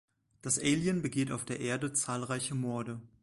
Das Alien begeht auf der Erde zahlreiche Morde.